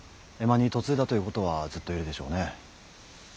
江間に嫁いだということはずっといるでしょうね。